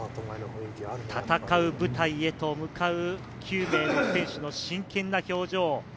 戦う舞台へと向かう９名の選手の真剣な表情。